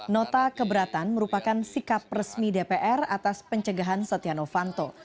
nota keberatan merupakan sikap resmi dpr atas pencegahan setia novanto